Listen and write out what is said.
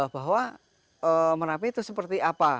bahwa merapi itu seperti apa